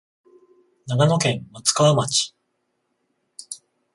長野県松川町